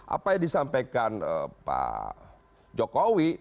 apa yang disampaikan pak jokowi